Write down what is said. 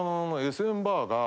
ＳＭバー？